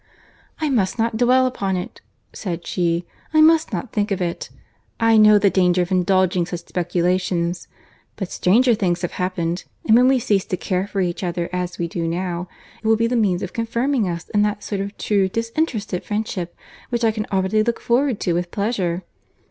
"I must not dwell upon it," said she.—"I must not think of it. I know the danger of indulging such speculations. But stranger things have happened; and when we cease to care for each other as we do now, it will be the means of confirming us in that sort of true disinterested friendship which I can already look forward to with pleasure."